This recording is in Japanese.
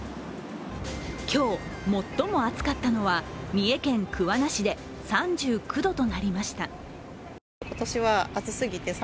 今日最も暑かったのは三重県桑名市で３９度となりました。